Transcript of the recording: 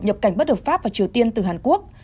nhập cảnh bất hợp pháp vào triều tiên từ hàn quốc